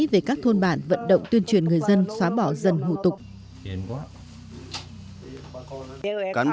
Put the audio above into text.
về các thôn bản vận động tuyên truyền người dân xóa bỏ dân